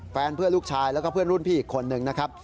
เพื่อนลูกชายแล้วก็เพื่อนรุ่นพี่อีกคนนึงนะครับ